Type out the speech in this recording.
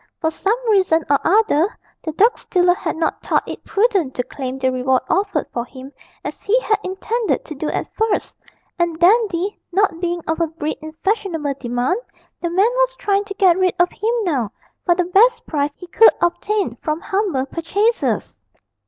For some reason or other, the dog stealer had not thought it prudent to claim the reward offered for him as he had intended to do at first, and Dandy, not being of a breed in fashionable demand, the man was trying to get rid of him now for the best price he could obtain from humble purchasers.